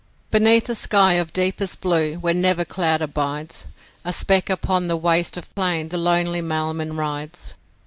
Beneath a sky of deepest blue where never cloud abides, A speck upon the waste of plain the lonely mailman rides.